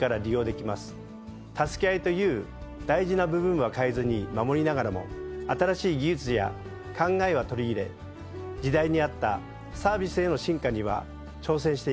「たすけあい」という大事な部分は変えずに守りながらも新しい技術や考えは取り入れ時代に合ったサービスへの進化には挑戦していきます。